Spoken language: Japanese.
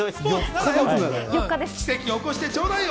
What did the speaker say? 奇跡を起こしてちょうだいよ。